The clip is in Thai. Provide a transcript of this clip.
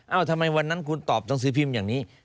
ทำไมวันนั้นคุณตอบหนังสือพิมพ์อย่างนี้